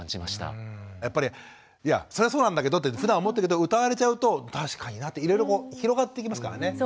やっぱりいやそりゃそうなんだけどってふだん思ってるけど歌われちゃうと確かになっていろいろ広がっていきますからね。